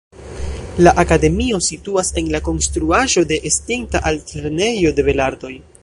La Akademio situas en la konstruaĵo de estinta Altlernejo de belartoj.